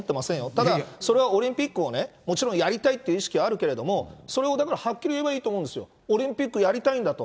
ただ、それはオリンピックをね、もちろんやりたいっていう意識はあるけれども、それをだからはっきり言えばいいと思うんですよ、オリンピックやりたいんだと。